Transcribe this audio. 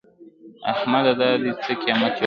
احمده! دا دې څه قيامت جوړ کړی دی؟